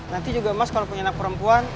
nanti juga mas kalau punya anak perempuan